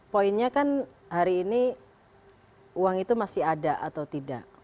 poinnya kan hari ini uang itu masih ada atau tidak